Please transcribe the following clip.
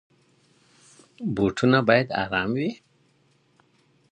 بوټونه بايد ارام وي.